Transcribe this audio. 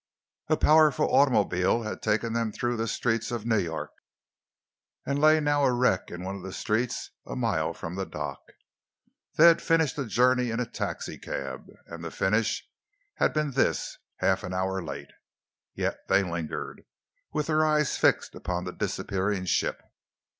A powerful automobile had taken them through the streets of New York, and lay now a wreck in one of the streets a mile from the dock. They had finished the journey in a taxicab, and the finish had been this half an hour late! Yet they lingered, with their eyes fixed upon the disappearing ship.